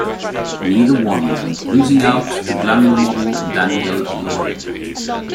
Neither won, losing out to glamour model Danielle Lloyd.